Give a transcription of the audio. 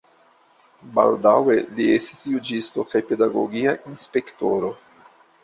Baldaŭe li estis juĝisto kaj pedagogia inspektoro.